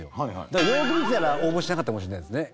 だからよーく見てたら応募しなかったかもしれないですね